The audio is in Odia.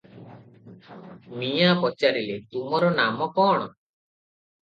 ମିଆଁ ପଚାରିଲେ,"ତୁମର ନାମ କଅଣ?"